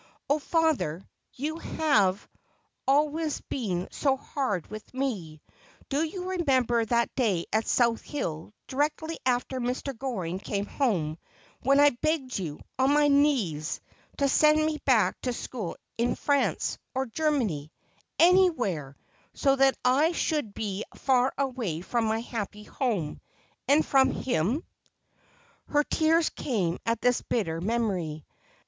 Oh father, father, you who have always been so hard with me, do you remember that day at South Hill, directly after Mr. Goring came home, when I begged you, on my knees, to send me back to school, to France, or Germany, anywhere, so that I should be far away from my happy home — and from him ?' Her tears came at this bitter memory.